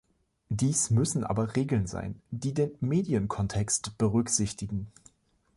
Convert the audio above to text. Dies müssen aber Regeln sein, die den Medienkontext berücksichtigen.